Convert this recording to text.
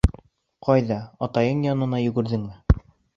Ҡайҙа, атайың янына йүгерҙеңме?